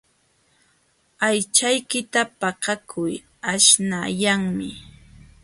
Aychaykita paqakuy aśhnayanmi.